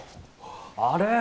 あれ？